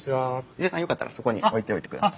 伊勢さんよかったらそこに置いておいてください。